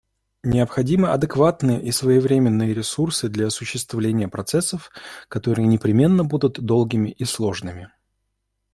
Необходимы адекватные и своевременные ресурсы для осуществления процессов, которые непременно будут долгими и сложными.